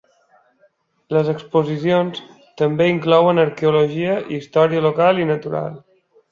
Les exposicions també inclouen arqueologia i història local i natural.